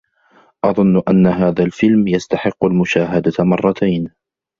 أظنّ أنّ هذا الفلم يستحقّ المشاهدة مرّتين.